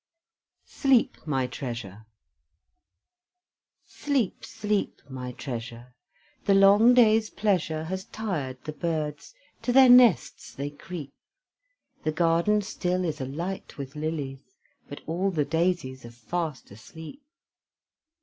SLEEP, MY TREASURE Sleep, sleep, my treasure, The long day's pleasure Has tired the birds, to their nests they creep; The garden still is Alight with lilies, But all the daisies are fast asleep.